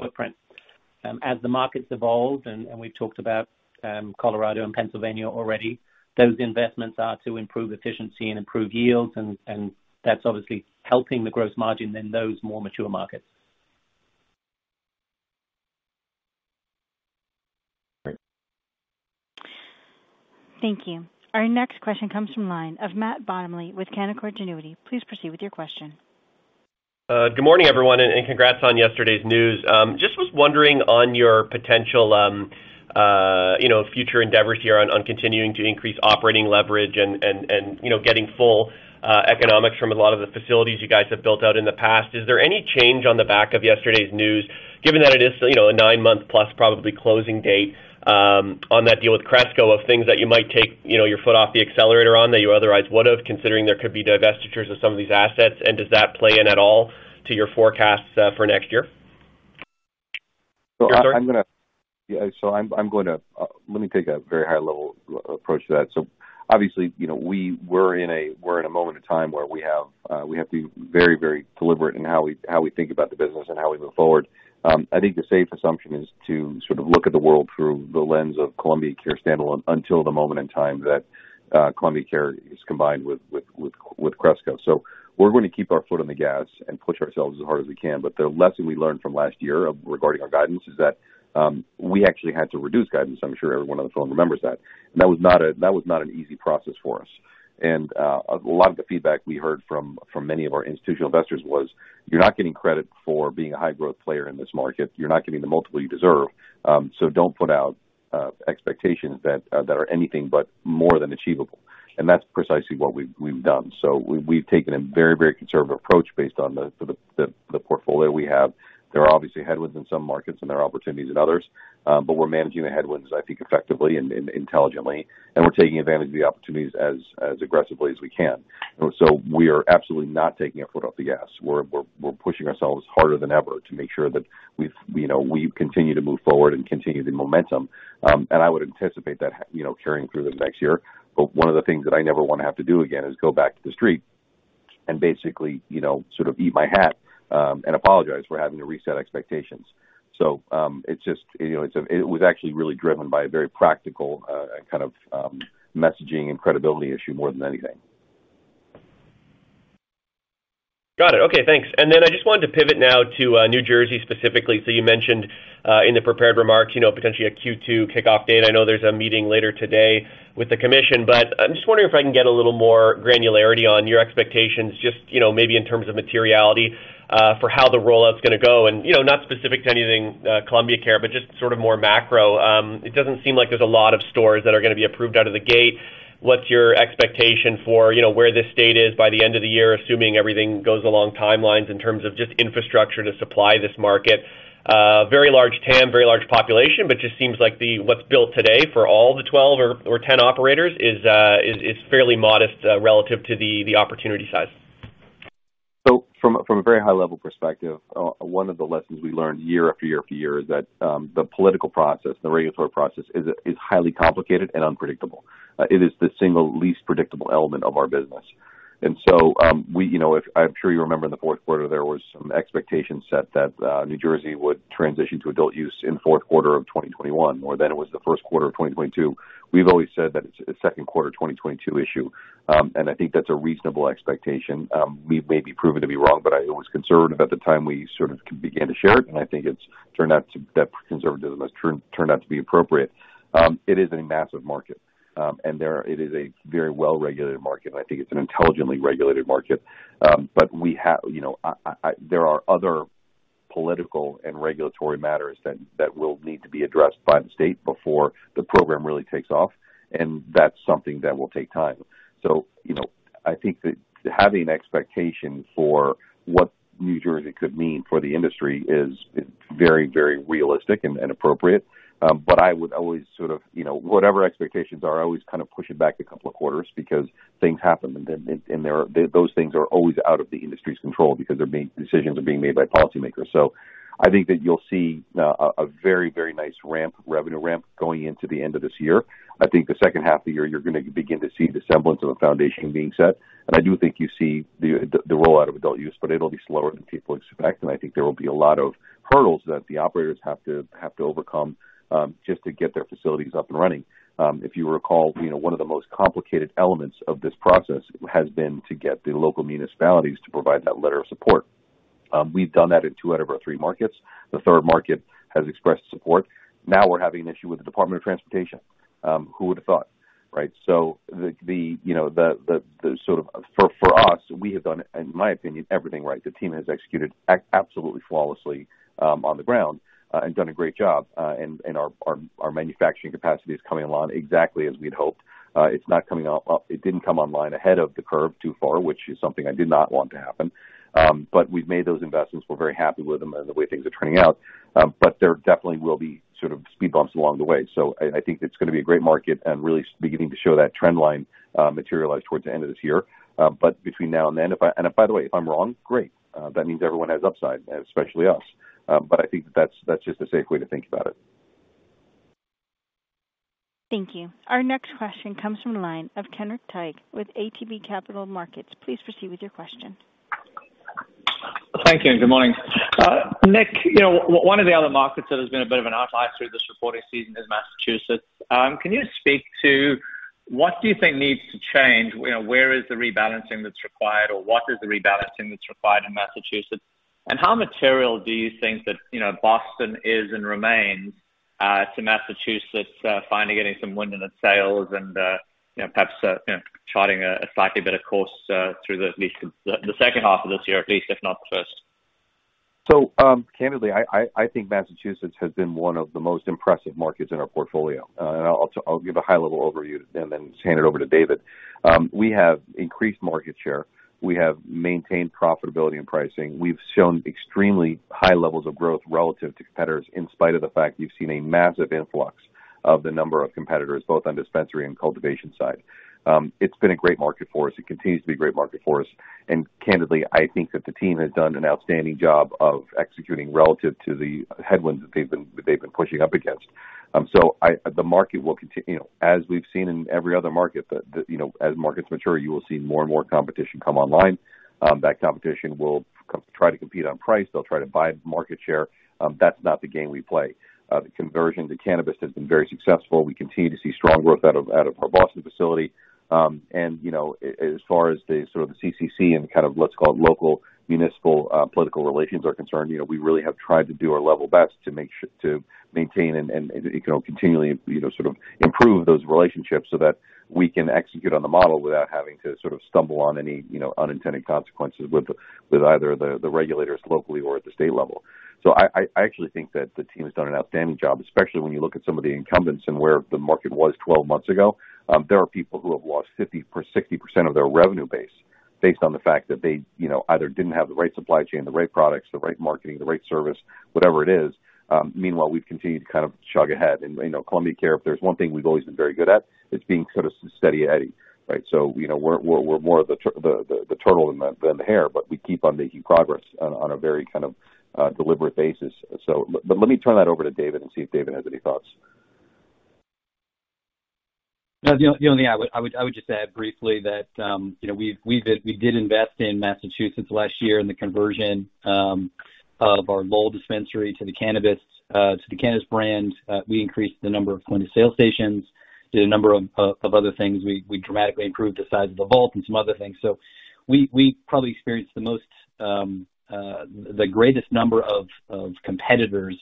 footprint. As the markets evolve, and we've talked about Colorado and Pennsylvania already, those investments are to improve efficiency and improve yields, and that's obviously helping the gross margin in those more mature markets. Great. Thank you. Our next question comes from line of Matt Bottomley with Canaccord Genuity. Please proceed with your question. Good morning, everyone, and congrats on yesterday's news. Just was wondering on your potential, you know, future endeavors here on continuing to increase operating leverage and, you know, getting full economics from a lot of the facilities you guys have built out in the past. Is there any change on the back of yesterday's news, given that it is, you know, a nine-month plus probably closing date on that deal with Cresco of things that you might take, you know, your foot off the accelerator on that you otherwise would have, considering there could be divestitures of some of these assets? Does that play in at all to your forecasts for next year? I'm going to. Let me take a very high level approach to that. Obviously, you know, we're in a moment of time where we have to be very, very deliberate in how we think about the business and how we move forward. I think the safe assumption is to sort of look at the world through the lens of Columbia Care standalone until the moment in time that Columbia Care is combined with Cresco. We're gonna keep our foot on the gas and push ourselves as hard as we can. The lesson we learned from last year regarding our guidance is that we actually had to reduce guidance. I'm sure everyone on the phone remembers that. That was not an easy process for us. A lot of the feedback we heard from many of our institutional investors was, "You're not getting credit for being a high growth player in this market. You're not getting the multiple you deserve, so don't put out expectations that are anything but more than achievable." That's precisely what we've done. We've taken a very conservative approach based on the portfolio we have. There are obviously headwinds in some markets, and there are opportunities in others, but we're managing the headwinds, I think, effectively and intelligently, and we're taking advantage of the opportunities as aggressively as we can. We are absolutely not taking our foot off the gas. We're pushing ourselves harder than ever to make sure that we've, you know, we continue to move forward and continue the momentum. I would anticipate that, you know, carrying through the next year. One of the things that I never wanna have to do again is go back to the Street and basically, you know, sort of eat my hat and apologize for having to reset expectations. It's just, you know, it was actually really driven by a very practical kind of messaging and credibility issue more than anything. Got it. Okay, thanks. I just wanted to pivot now to New Jersey specifically. You mentioned in the prepared remarks, you know, potentially a Q2 kickoff date. I know there's a meeting later today with the commission, but I'm just wondering if I can get a little more granularity on your expectations, just, you know, maybe in terms of materiality for how the rollout's gonna go. You know, not specific to anything, Columbia Care, but just sort of more macro. It doesn't seem like there's a lot of stores that are gonna be approved out of the gate. What's your expectation for, you know, where this state is by the end of the year, assuming everything goes along timelines in terms of just infrastructure to supply this market? Very large TAM, very large population, but just seems like the. What's built today for all the 12 or 10 operators is fairly modest relative to the opportunity size. From a very high level perspective, one of the lessons we learned year after year after year is that the political process, the regulatory process is highly complicated and unpredictable. It is the single least predictable element of our business. We, you know, I'm sure you remember in the fourth quarter, there was some expectations set that New Jersey would transition to adult use in fourth quarter of 2021, or then it was the first quarter of 2022. We've always said that it's a second quarter 2022 issue. I think that's a reasonable expectation. We may be proven to be wrong, but it was conservative at the time we sort of began to share it, and I think it's turned out that conservatism has turned out to be appropriate. It is a massive market. It is a very well-regulated market, and I think it's an intelligently regulated market. You know, there are other political and regulatory matters that will need to be addressed by the state before the program really takes off, and that's something that will take time. You know, I think that having expectation for what New Jersey could mean for the industry is very, very realistic and appropriate. I would always sort of, you know, whatever expectations are, I always kind of push it back a couple of quarters because things happen, and then there are those things that are always out of the industry's control because decisions are being made by policymakers. I think that you'll see a very, very nice ramp, revenue ramp going into the end of this year. I think the second half of the year, you're gonna begin to see the semblance of a foundation being set. I do think you see the rollout of adult use, but it'll be slower than people expect, and I think there will be a lot of hurdles that the operators have to overcome, just to get their facilities up and running. If you recall, you know, one of the most complicated elements of this process has been to get the local municipalities to provide that letter of support. We've done that in two out of our three markets. The third market has expressed support. Now we're having an issue with the Department of Transportation. Who would've thought, right? For us, we have done, in my opinion, everything right. The team has executed absolutely flawlessly on the ground and done a great job. Our manufacturing capacity is coming along exactly as we'd hoped. It's not coming online. It didn't come online ahead of the curve too far, which is something I did not want to happen. We've made those investments. We're very happy with them and the way things are turning out. There definitely will be sort of speed bumps along the way. I think it's gonna be a great market and really beginning to show that trend line materialize towards the end of this year. Between now and then, if, by the way, if I'm wrong, great. That means everyone has upside, especially us. I think that's just a safe way to think about it. Thank you. Our next question comes from the line of Kenric Tyghe with ATB Capital Markets. Please proceed with your question. Thank you, and good morning. Nick, you know, one of the other markets that has been a bit of an outlier through this reporting season is Massachusetts. Can you speak to what do you think needs to change? You know, where is the rebalancing that's required, or what is the rebalancing that's required in Massachusetts? How material do you think that, you know, Boston is and remains to Massachusetts finally getting some wind in its sails and, you know, perhaps charting a slightly better course through at least the second half of this year, at least, if not the first? Candidly, I think Massachusetts has been one of the most impressive markets in our portfolio. I'll give a high level overview and then hand it over to David. We have increased market share. We have maintained profitability and pricing. We've shown extremely high levels of growth relative to competitors, in spite of the fact we've seen a massive influx of the number of competitors, both on dispensary and cultivation side. It's been a great market for us. It continues to be a great market for us. Candidly, I think that the team has done an outstanding job of executing relative to the headwinds that they've been pushing up against. The market will continue, you know, as we've seen in every other market, you know, as markets mature, you will see more and more competition come online. That competition will try to compete on price. They'll try to buy market share. That's not the game we play. The conversion to Cannabist has been very successful. We continue to see strong growth out of our Boston facility. you know, as far as the sort of the CCC and kind of let's call it, local municipal, political relations are concerned, you know, we really have tried to do our level best to maintain and, you know, continually, you know, sort of improve those relationships so that we can execute on the model without having to sort of stumble on any, you know, unintended consequences with either the regulators locally or at the state level. I actually think that the team has done an outstanding job, especially when you look at some of the incumbents and where the market was 12 months ago. There are people who have lost 50% or 60% of their revenue base based on the fact that they, you know, either didn't have the right supply chain, the right products, the right marketing, the right service, whatever it is. Meanwhile, we've continued to kind of chug ahead. You know, Columbia Care, if there's one thing we've always been very good at, it's being kind of Steady Eddie, right? You know, we're more the turtle than the hare, but we keep on making progress on a very kind of deliberate basis. Let me turn that over to David and see if David has any thoughts. The only thing I would just add briefly that, you know, we did invest in Massachusetts last year in the conversion of our Lowell dispensary to the Cannabist brand. We increased the number of point of sale stations, did a number of other things. We dramatically improved the size of the vault and some other things. We probably experienced the greatest number of competitors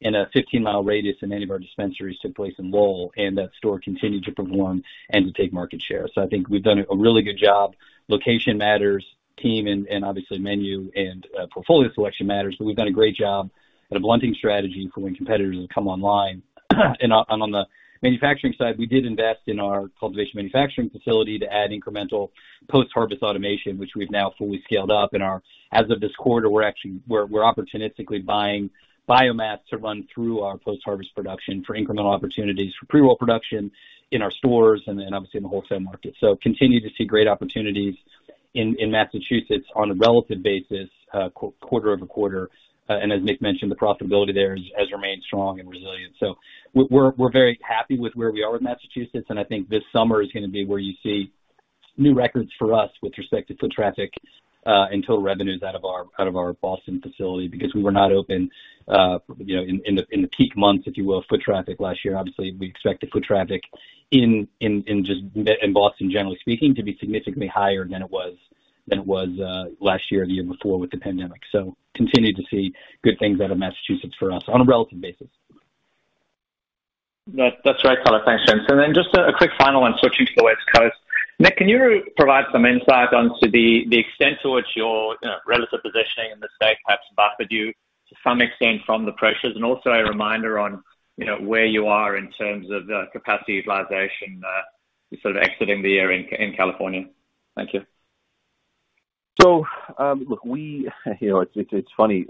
in a 15-mile radius in any of our dispensaries took place in Lowell, and that store continued to perform and to take market share. I think we've done a really good job. Location matters, team and obviously menu and portfolio selection matters. We've done a great job at a blunting strategy for when competitors have come online. On the manufacturing side, we did invest in our cultivation manufacturing facility to add incremental post-harvest automation, which we've now fully scaled up in our. As of this quarter, we're actually opportunistically buying biomass to run through our post-harvest production for incremental opportunities for pre-roll production in our stores and then obviously in the wholesale market. We continue to see great opportunities in Massachusetts on a relative basis, quarter-over-quarter. As Nick mentioned, the profitability there has remained strong and resilient. We're very happy with where we are in Massachusetts, and I think this summer is gonna be where you see new records for us with respect to foot traffic and total revenues out of our Boston facility, because we were not open, you know, in the peak months, if you will, foot traffic last year. Obviously, we expect the foot traffic in just Boston, generally speaking, to be significantly higher than it was last year or the year before with the pandemic. We continue to see good things out of Massachusetts for us on a relative basis. That's right, Tyler. Thanks. Just a quick final one, switching to the West Coast. Nick, can you provide some insight into the extent to which your, you know, relative positioning in the state has buffered you to some extent from the pressures? Also a reminder on, you know, where you are in terms of the capacity utilization, sort of exiting the year in California. Thank you. Look, we, you know, it's funny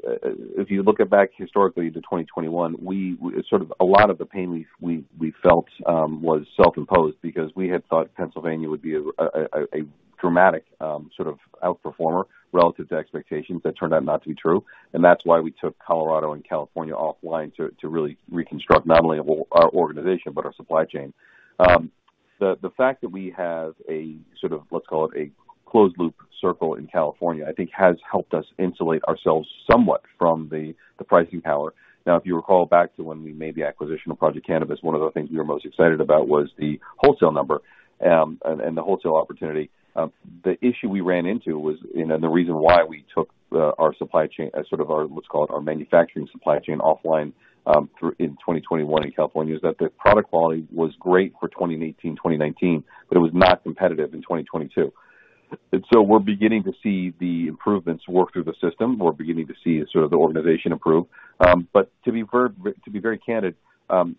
if you look back historically to 2021, we sort of a lot of the pain we felt was self-imposed because we had thought Pennsylvania would be a dramatic sort of outperformer relative to expectations. That turned out not to be true. That's why we took Colorado and California offline to really reconstruct not only our organization but our supply chain. The fact that we have a sort of, let's call it, a closed loop circle in California, I think has helped us insulate ourselves somewhat from the pricing power. Now, if you recall back to when we made the acquisition of Project Cannabis, one of the things we were most excited about was the wholesale number and the wholesale opportunity. The issue we ran into was, and the reason why we took our supply chain as sort of our, what's called our manufacturing supply chain offline in 2021 in California, is that the product quality was great for 2018, 2019, but it was not competitive in 2022. We're beginning to see the improvements work through the system. We're beginning to see sort of the organization improve. To be very candid, the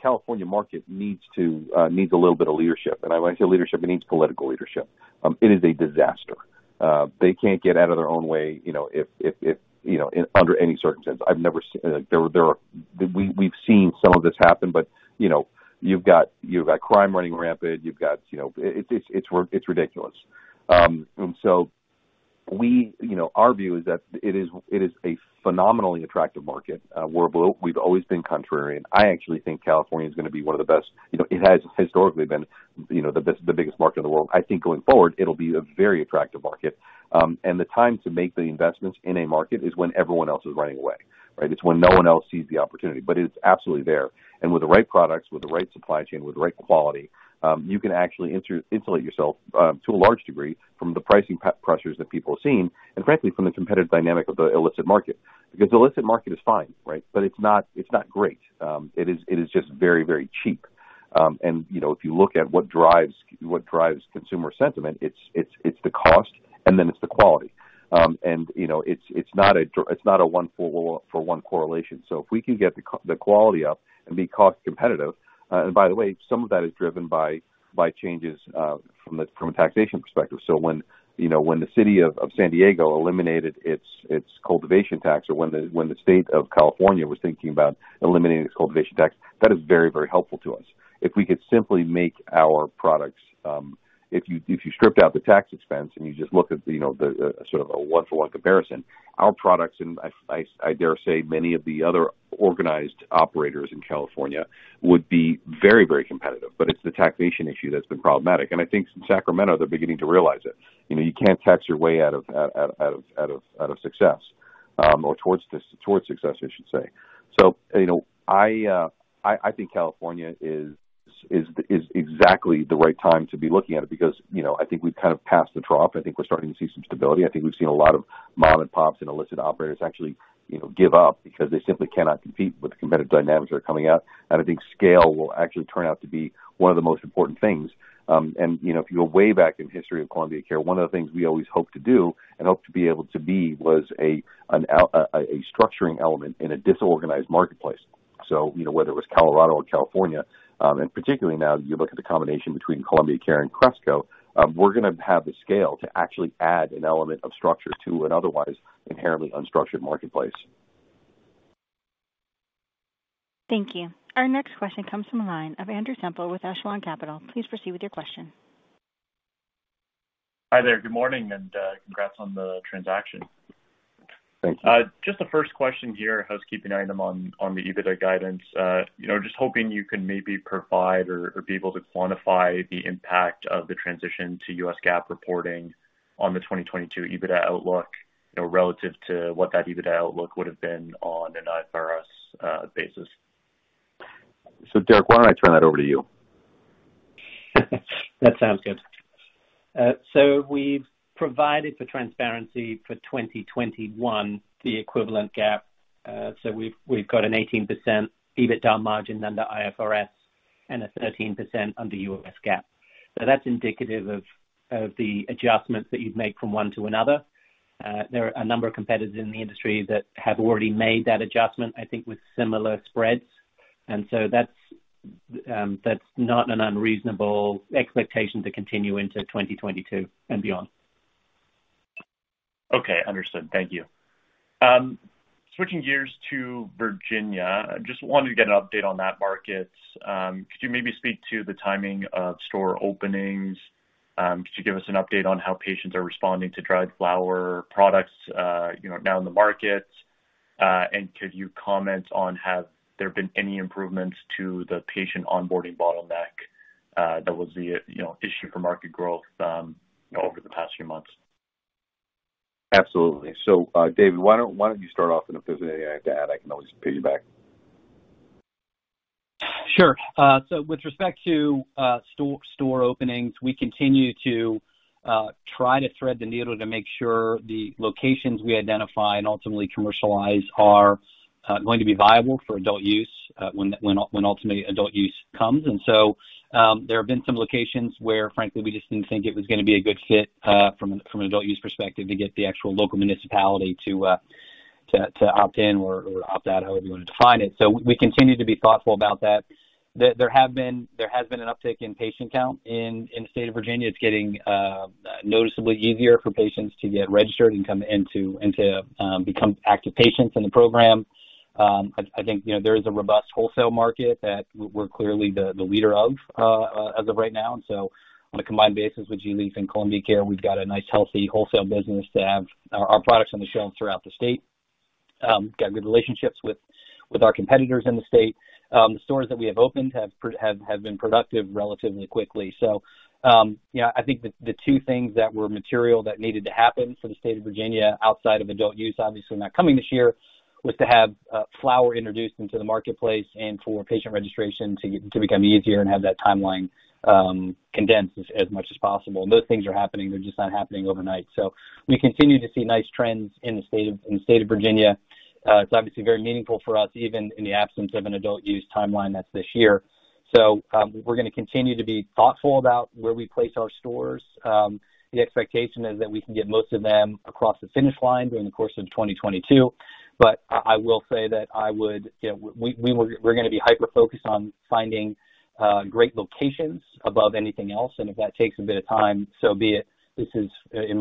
California market needs a little bit of leadership. When I say leadership, it needs political leadership. It is a disaster. They can't get out of their own way, you know, if you know, in under any circumstances. I've never seen We've seen some of this happen, but you know, you've got crime running rampant, you know. It's ridiculous. Our view is that it is a phenomenally attractive market. We've always been contrarian. I actually think California is gonna be one of the best. You know, it has historically been you know, the biggest market in the world. I think going forward, it'll be a very attractive market. The time to make the investments in a market is when everyone else is running away, right? It's when no one else sees the opportunity, but it's absolutely there. With the right products, with the right supply chain, with the right quality, you can actually insulate yourself to a large degree from the pricing pressures that people have seen, and frankly, from the competitive dynamic of the illicit market. Because the illicit market is fine, right, but it's not, it's not great. It is just very, very cheap. You know, if you look at what drives consumer sentiment, it's the cost. Then it's the quality. You know, it's not a one-for-one correlation. If we can get the quality up and be cost competitive. By the way, some of that is driven by changes from a taxation perspective. When the city of San Diego eliminated its cultivation tax, or when the state of California was thinking about eliminating its cultivation tax, that is very, very helpful to us. If we could simply make our products, if you stripped out the tax expense and you just look at, you know, the sort of a one-for-one comparison, our products, and I dare say many of the other organized operators in California would be very, very competitive. But it's the taxation issue that's been problematic. I think in Sacramento, they're beginning to realize it. You know, you can't tax your way out of success, or towards success, I should say. You know, I think California is exactly the right time to be looking at it because, you know, I think we've kind of passed the trough. I think we're starting to see some stability. I think we've seen a lot of mom-and-pops and illicit operators actually, you know, give up because they simply cannot compete with the competitive dynamics that are coming out. I think scale will actually turn out to be one of the most important things. You know, if you go way back in history of Columbia Care, one of the things we always hoped to do and hoped to be able to be was a structuring element in a disorganized marketplace. You know, whether it was Colorado or California, and particularly now you look at the combination between Columbia Care and Cresco, we're gonna have the scale to actually add an element of structure to an otherwise inherently unstructured marketplace. Thank you. Our next question comes from the line of Andrew Semple with Echelon Capital. Please proceed with your question. Hi there. Good morning, and congrats on the transaction. Thank you. Just the first question here, housekeeping item on the EBITDA guidance. You know, just hoping you can maybe provide or be able to quantify the impact of the transition to U.S. GAAP reporting on the 2022 EBITDA outlook, you know, relative to what that EBITDA outlook would have been on an IFRS basis. Derek, why don't I turn that over to you? That sounds good. We've provided for transparency for 2021, the equivalent GAAP. We've got an 18% EBITDA margin under IFRS and a 13% under U.S. GAAP. That's indicative of the adjustments that you'd make from one to another. There are a number of competitors in the industry that have already made that adjustment, I think, with similar spreads. That's not an unreasonable expectation to continue into 2022 and beyond. Okay, understood. Thank you. Switching gears to Virginia, I just wanted to get an update on that market. Could you maybe speak to the timing of store openings? Could you give us an update on how patients are responding to dried flower products, you know, now in the market? And could you comment on have there been any improvements to the patient onboarding bottleneck, that was the, you know, issue for market growth, over the past few months? Absolutely. David, why don't you start off and if there's anything I have to add, I can always ping you back. Sure. With respect to store openings, we continue to try to thread the needle to make sure the locations we identify and ultimately commercialize are going to be viable for adult use when ultimately adult use comes. There have been some locations where, frankly, we just didn't think it was gonna be a good fit from an adult use perspective to get the actual local municipality to opt in or opt out, however you want to define it. We continue to be thoughtful about that. There has been an uptick in patient count in the state of Virginia. It's getting noticeably easier for patients to get registered and come into and become active patients in the program. I think, you know, there is a robust wholesale market that we're clearly the leader of as of right now. On a combined basis with gLeaf and Columbia Care, we've got a nice, healthy wholesale business to have our products on the shelves throughout the state. Got good relationships with our competitors in the state. The stores that we have opened have been productive relatively quickly. I think the two things that were material that needed to happen for the state of Virginia outside of adult use, obviously not coming this year, was to have flower introduced into the marketplace and for patient registration to become easier and have that timeline condensed as much as possible. Those things are happening. They're just not happening overnight. We continue to see nice trends in the state of Virginia. It's obviously very meaningful for us, even in the absence of an adult use timeline that's this year. We're gonna continue to be thoughtful about where we place our stores. The expectation is that we can get most of them across the finish line during the course of 2022. I will say, you know, we're gonna be hyper-focused on finding great locations above anything else, and if that takes a bit of time, so be it. This is from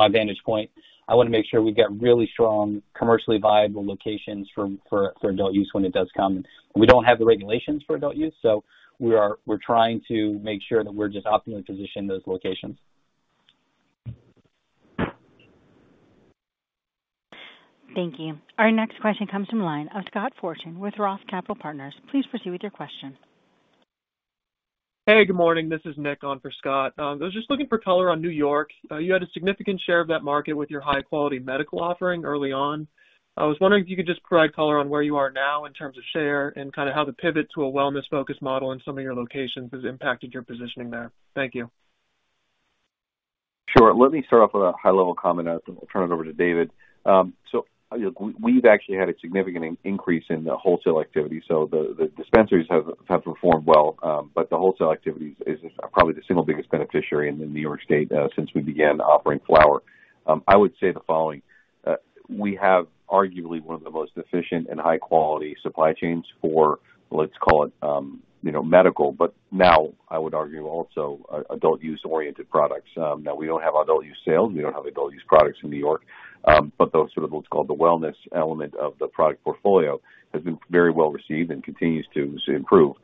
my vantage point, I wanna make sure we get really strong, commercially viable locations for adult use when it does come. We don't have the regulations for adult use, so we're trying to make sure that we're just optimally positioned in those locations. Thank you. Our next question comes from the line of Scott Fortune with Roth Capital Partners. Please proceed with your question. Hey, good morning. This is Nick on for Scott. I was just looking for color on New York. You had a significant share of that market with your high-quality medical offering early on. I was wondering if you could just provide color on where you are now in terms of share and kind of how the pivot to a wellness-focused model in some of your locations has impacted your positioning there. Thank you. Sure. Let me start off with a high level comment and I'll turn it over to David. You know, we've actually had a significant increase in the wholesale activity. The dispensaries have performed well, but the wholesale activities is probably the single biggest beneficiary in the New York State, since we began offering flower. I would say the following. We have arguably one of the most efficient and high quality supply chains for, let's call it, you know, medical, but now I would argue also adult use oriented products. Now we don't have adult use sales, we don't have adult use products in New York, but those sort of what's called the wellness element of the product portfolio has been very well received and continues to improve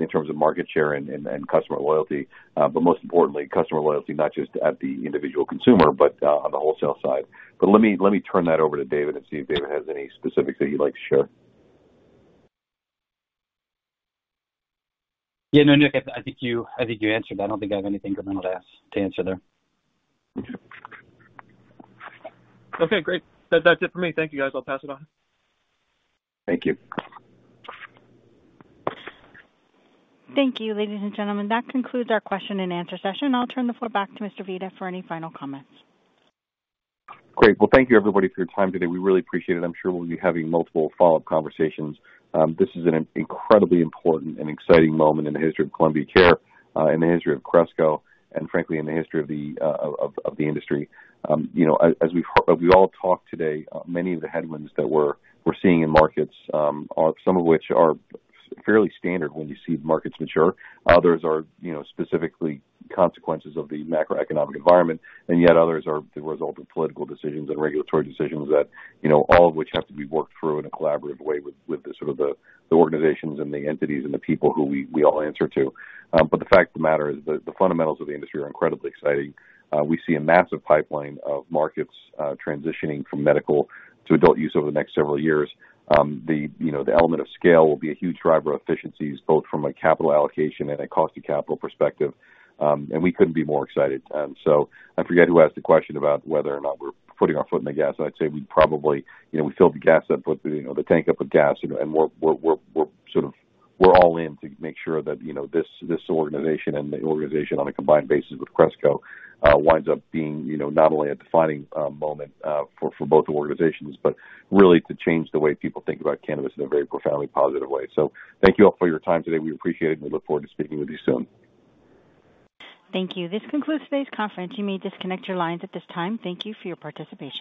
in terms of market share and customer loyalty. Most importantly, customer loyalty, not just at the individual consumer, but on the wholesale side. Let me turn that over to David and see if David has any specifics that you'd like to share. Yeah, no, Nick, I think you answered. I don't think I have anything fundamental to ask, to answer there. Okay, great. That, that's it for me. Thank you, guys. I'll pass it on. Thank you. Thank you, ladies and gentlemen. That concludes our question and answer session. I'll turn the floor back to Mr. Vita for any final comments. Great. Well, thank you, everybody, for your time today. We really appreciate it. I'm sure we'll be having multiple follow-up conversations. This is an incredibly important and exciting moment in the history of Columbia Care, in the history of Cresco, and frankly, in the history of the industry. You know, as we've heard, we all talked today, many of the headwinds that we're seeing in markets are some of which are fairly standard when you see markets mature. Others are, you know, specifically consequences of the macroeconomic environment, and yet others are the result of political decisions and regulatory decisions that, you know, all of which have to be worked through in a collaborative way with the sort of organizations and the entities and the people who we all answer to. The fact of the matter is the fundamentals of the industry are incredibly exciting. We see a massive pipeline of markets transitioning from medical to adult use over the next several years. You know, the element of scale will be a huge driver of efficiencies, both from a capital allocation and a cost of capital perspective. We couldn't be more excited. I forget who asked the question about whether or not we're putting our foot in the gas. I'd say we probably, you know, we fill the tank up with gas, and we're all in to make sure that, you know, this organization and the organization on a combined basis with Cresco winds up being, you know, not only a defining moment for both organizations, but really to change the way people think about Cannabist in a very profoundly positive way. Thank you all for your time today. We appreciate it, and we look forward to speaking with you soon. Thank you. This concludes today's conference. You may disconnect your lines at this time. Thank you for your participation.